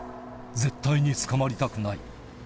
「絶対に捕まりたくない」